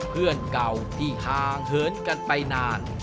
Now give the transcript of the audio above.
เพื่อนเก่าที่ห่างเหินกันไปนาน